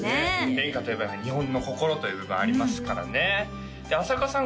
演歌といえばやはり日本の心という部分ありますからね朝花さん